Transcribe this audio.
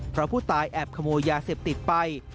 เพราะผู้ตายแอบขโมยยาเสพติดไป